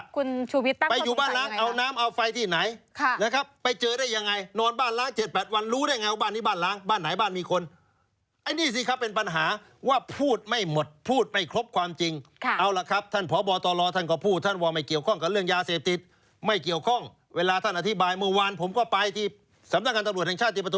คุณชูพิตตั้งความสงสัยอย่างไรล่ะค่ะค่ะค่ะค่ะค่ะค่ะค่ะค่ะค่ะค่ะค่ะค่ะค่ะค่ะค่ะค่ะค่ะค่ะค่ะค่ะค่ะค่ะค่ะค่ะค่ะค่ะค่ะค่ะค่ะค่ะค่ะค่ะค่ะค่ะค่ะค่ะค่ะค่ะค่ะค่ะค่ะค่ะค่ะค่ะค่ะค่ะค่ะค่ะ